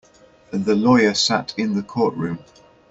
The lawyer sat in the courtroom.